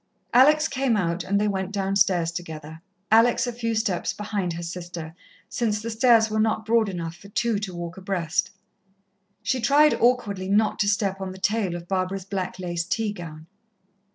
Alex came out, and they went downstairs together, Alex a few steps behind her sister, since the stairs were not broad enough for two to walk abreast. She tried awkwardly not to step on the tail of Barbara's black lace teagown.